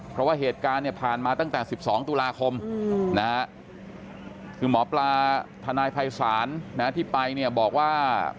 เพราะว่าเหตุการณ์เนี่ยผ่านมาตั้งแต่๑๒ตุลาคมคือหมอปลาทนายภัยศาลที่ไปเนี่ยบอกว่า